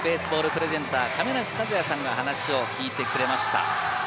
プレゼンター亀梨和也さんが話を聞いてくれました。